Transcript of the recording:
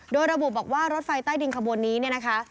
โดยระบุบอกว่ารถไฟใต้ดินขบวนนี้เนี่ยนะคะ